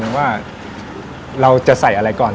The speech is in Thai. มีทะเลาะแบบนั้นมัน